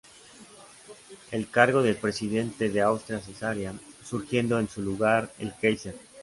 El cargo del Presidente de Austria cesaría, surgiendo en su lugar el Káiser.